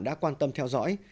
đã quan tâm theo dõi